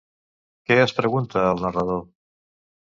Què es pregunta el narrador?